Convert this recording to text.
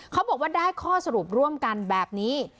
เขาบอกว่าได้ข้อสรุปร่วมกันแบบนี้